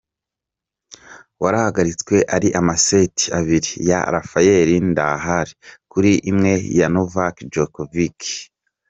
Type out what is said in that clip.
Warahagaritswe ari amaseti abiri ya Rafayeli Nadali kuri imwe ya Novaki jokovici.